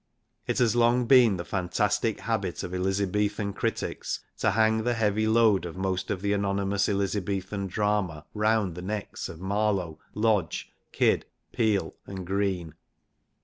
It has long been the fantastic habit of Elizabethan critics to hang the heavy load of most of the anonymous Elizabethan drama round the necks of Marlowe, Lodge, Kyd, Peele and Greene.